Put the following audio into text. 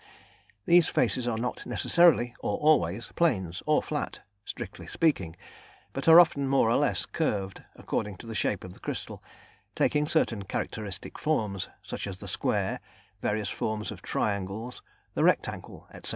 These faces are not necessarily, or always, planes, or flat, strictly speaking, but are often more or less curved, according to the shape of the crystal, taking certain characteristic forms, such as the square, various forms of triangles, the rectangle, etc.